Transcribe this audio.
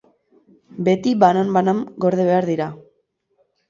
Beti banan-banan gorde behar dira.